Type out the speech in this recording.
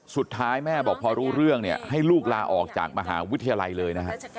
สุดท้ายแม่บอกพอรู้เรื่องเนี่ยให้ลูกลาออกจากมหาวิทยาลัยเลยนะฮะ